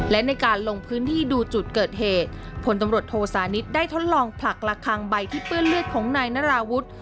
และในการลงพื้นที่ดูจุดเกิดเหตุผลตำรวจโทสานิทได้ทดลองผลักละคังใบที่เปื้อนเลือดของนายนราวุฒิ